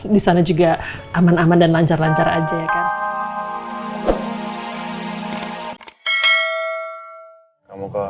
di sana juga aman aman dan lancar lancar aja ya kan